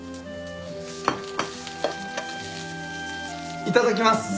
いただきます！